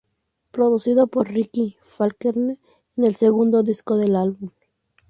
Producido por Ricky Falkner, es el segundo disco del álbum.